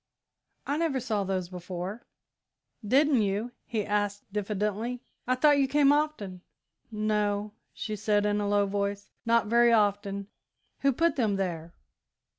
I never saw those before." "Didn't you?" he asked diffidently; "I thought you came often." "No," she said, in a low voice, "not very often. Who put them there?"